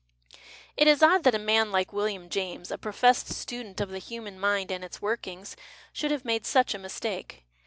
It is odd that a man like William James, a professed student of the human mind and its workings, should have made such a mistake.